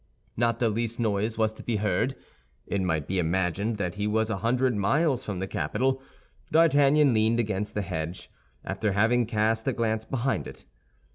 Not the least noise was to be heard; it might be imagined that he was a hundred miles from the capital. D'Artagnan leaned against the hedge, after having cast a glance behind it.